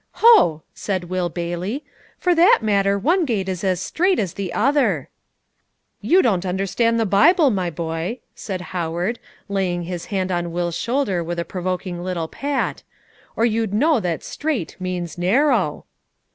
'" "Ho!" said Will Bailey; "for that matter, one gate is as straight as the other." "You don't understand the Bible, my boy," said Howard, laying his hand on Will's shoulder with a provoking little pat, "or you'd know that strait means narrow."